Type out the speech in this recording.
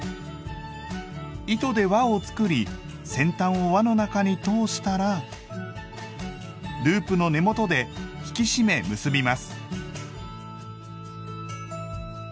糸で輪を作り先端を輪の中に通したらループの根元で引き締め結びます。